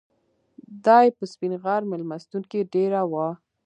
دای په سپین غر میلمستون کې دېره و.